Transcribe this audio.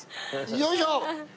よいしょ！